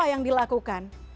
apa yang dilakukan